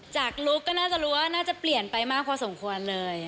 ลุคก็น่าจะรู้ว่าน่าจะเปลี่ยนไปมากพอสมควรเลย